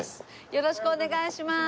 よろしくお願いします。